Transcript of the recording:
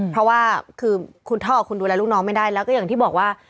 เพราะว่าคือคุณพ่อกับคุณดูแลลูกน้องไม่ได้แล้วก็อย่างที่บอกว่า